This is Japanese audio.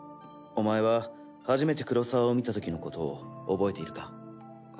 お前は初めて黒澤を見たときのことを覚えているか？